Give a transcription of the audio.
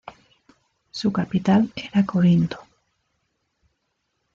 Su capital era Corinto.